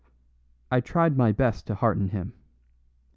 I tried my best to hearten him.